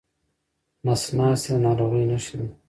نس ناستي د ناروغۍ نښې دي.